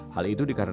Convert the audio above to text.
hal itu dikatakan